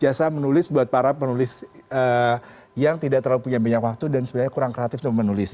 jasa menulis buat para penulis yang tidak terlalu punya banyak waktu dan sebenarnya kurang kreatif untuk menulis